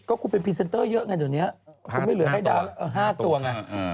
คุณเป็นพรีเซนเตอร์เยอะไงเดี๋ยวนี้คุณไม่เหลือให้ดาว๕ตัวไง